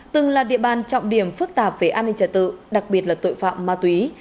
từng là địa bàn trọng điểm phức tạp về an ninh trật tự đặc biệt là tội phạm ma túy